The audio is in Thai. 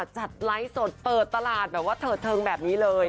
จัดไลฟ์สดเปิดตลาดแบบว่าเถิดเทิงแบบนี้เลย